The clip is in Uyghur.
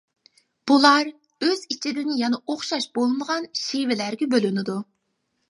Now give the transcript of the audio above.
بۇلار ئۆز ئىچىدىن يەنە ئوخشاش بولمىغان شېۋىلەرگە بۆلۈنىدۇ.